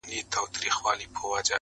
• د آدب ټوله بهير را سره خاندي..